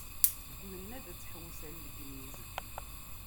Tmenna-d ad tḥewwes ar Legniz.